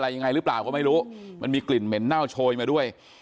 ยังไงหรือเปล่าก็ไม่รู้มันมีกลิ่นเหม็นเน่าโชยมาด้วย